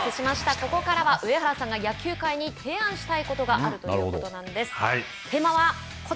ここからは上原さんが野球界に提案したいことがあるということなんですね。